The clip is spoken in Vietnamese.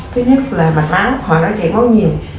thứ nhất là mạch máu hồi đó chảy máu nhiều